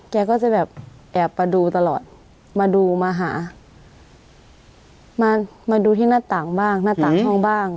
แกก็จะแบบแอบมาดูตลอดมาดูมาหามามาดูที่หน้าต่างบ้างหน้าต่างห้องบ้าง